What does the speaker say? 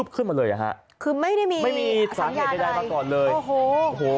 คือไม่ได้มีสัญลัยไม่ได้โอ้โห